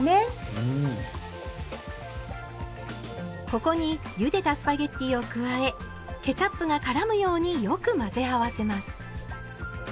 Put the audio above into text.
ここにゆでたスパゲッティを加えケチャップがからむようによく混ぜ合わせます。